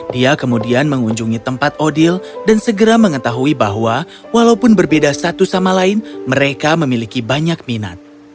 dia kemudian mengunjungi tempat odil dan segera mengetahui bahwa walaupun berbeda satu sama lain mereka memiliki banyak minat